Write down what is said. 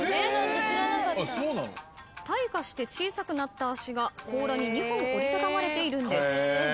退化して小さくなった脚が甲羅に２本折りたたまれているんです。